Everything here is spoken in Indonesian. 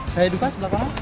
saya hidup kan sebelah kanan